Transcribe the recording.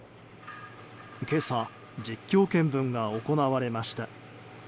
今朝、実況見分が行われました。